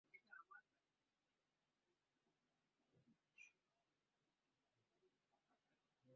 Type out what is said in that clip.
এই লাইনটি এখনও কার্যকরী আছে আধুনিকীকৃতভাবে।